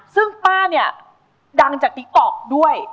ซึ่งป้าเนี่ยดังจากติ๊กต๊อกด้วย